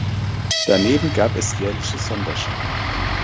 Daneben gab es jährliche Sonderschauen.